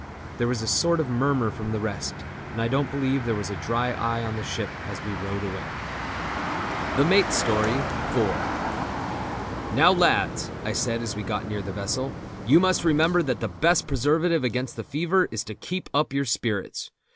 There was a sort of murmur from the rest, and I don't believe there was a dry eye on the ship as we rowed away. THE MATE'S STORY.—IV. "Now, lads," I said as we got near the vessel, "you must remember that the best preservative against the fever is to keep up your spirits.